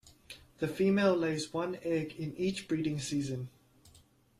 The female lays one egg in each breeding season.